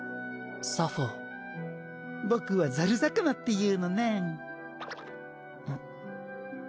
サフ僕はザル魚っていうのねんん？